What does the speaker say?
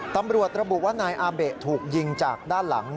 ตำรวจระบุว่านายอาเบะถูกยิงจากด้านหลัง